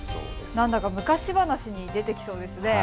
なんだか昔話に出てきそうですよね。